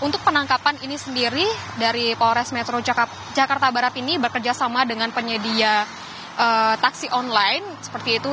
untuk penangkapan ini sendiri dari polres metro jakarta barat ini bekerja sama dengan penyedia taksi online seperti itu